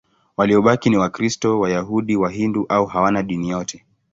Waliobaki ni Wakristo, Wayahudi, Wahindu au hawana dini yote.